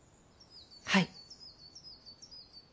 はい。